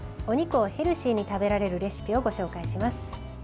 お肉をヘルシーに食べられるレシピをご紹介します。